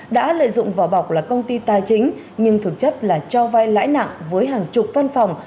đã lợi dụng vỏ bọc là công ty tài chính nhưng thực chất là cho vai lãi nặng với hàng chục văn phòng